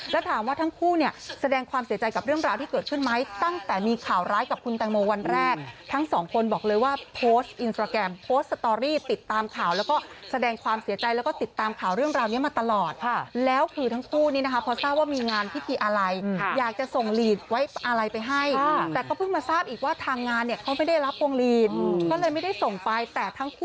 แล้วถามว่าทั้งคู่เนี่ยแสดงความเสียใจกับเรื่องราวที่เกิดขึ้นไหมตั้งแต่มีข่าวไร้กับคุณแตงโมวันแรกทั้งสองคนบอกเลยว่าโพสต์อินสตราแกรมโพสต์สตอรี่ติดตามข่าวแล้วก็แสดงความเสียใจแล้วก็ติดตามข่าวเรื่องราวนี้มาตลอดแล้วคือทั้งคู่นี้นะคะเพราะทราบว่ามีงานพิธีอะไรอยากจะส่งลีนไว้อะไรไปให้แต่ก